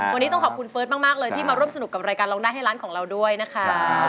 วันนี้ต้องขอบคุณเฟิร์สมากเลยที่มาร่วมสนุกกับรายการร้องได้ให้ร้านของเราด้วยนะคะ